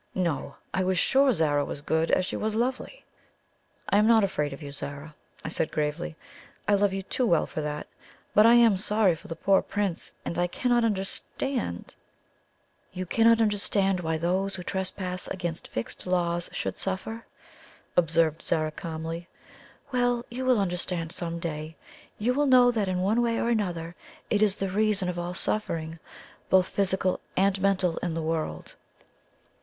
No! I was sure Zara was good as she was lovely. "I am not afraid of you, Zara," I said gravely; "I love you too well for that. But I am sorry for the poor Prince; and I cannot understand " "You cannot understand why those who trespass against fixed laws should suffer?" observed Zara calmly. "Well, you will understand some day. You will know that in one way or another it is the reason of all suffering, both physical and mental, in the world."